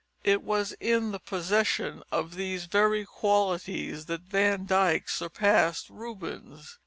It was in the possession of these very qualities that Van Dyck surpassed Rubens.